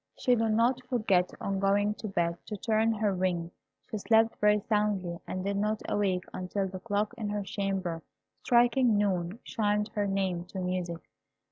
She did not forget, on going to bed, to turn her ring. She slept very soundly, and did not awake until the clock in her chamber, striking noon, chimed her name to music.